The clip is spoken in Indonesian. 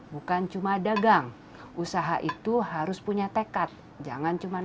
bukan cuma dagang usaha itu harus punya tekad jangan cuma